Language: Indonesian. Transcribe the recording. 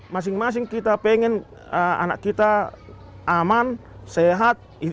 mereka akan berpikir kita ingin anak kita aman sehat